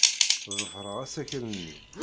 Ḍefreɣ asakal-nni.